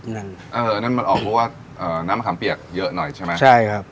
นั่นมันออกเพราะว่าน้ำมะขำเปียกเยอะหน่อยใช่ไหม